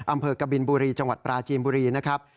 อำเภอกบินบุรีจังหวัดปราจีนบุรีนะครับ